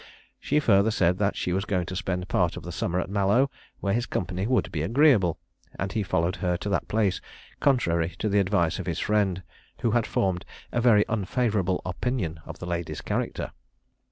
She further said that she was going to spend part of the summer at Mallow, where his company would be agreeable; and he followed her to that place, contrary to the advice of his friend, who had formed a very unfavourable opinion of the lady's character.